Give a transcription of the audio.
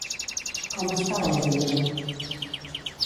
Com estava el Zidro?